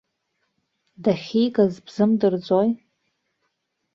Дахьигаз бзымдырӡои?